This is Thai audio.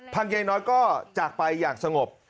พังใยน้อยก็จากไปอยากสงบ